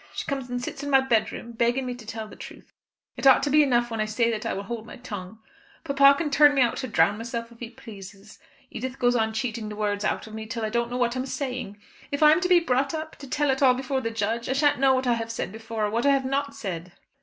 She comes and sits in my bedroom, begging me to tell the truth. It ought to be enough when I say that I will hold my tongue. Papa can turn me out to drown myself if he pleases. Edith goes on cheating the words out of me till I don't know what I'm saying. If I am to be brought up to tell it all before the judge I shan't know what I have said before, or what I have not said."